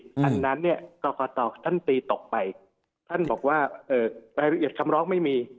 อันนั้นเนี่ยกรกตท่านตีตกไปท่านบอกว่ารายละเอียดคำร้องไม่มี